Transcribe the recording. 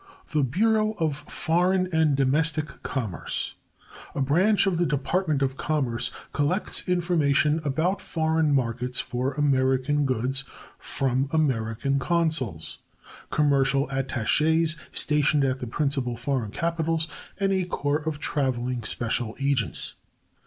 The Bureau of Foreign and Domestic Commerce, a branch of the Department of Commerce, collects information about foreign markets for American goods from American consuls, commercial attachés stationed at the principal foreign capitals, and a corps of traveling special agents.